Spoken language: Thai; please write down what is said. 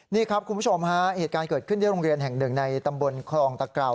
นี่ครับคุณผู้ชมฮะเหตุการณ์เกิดขึ้นที่โรงเรียนแห่งหนึ่งในตำบลคลองตะเกราว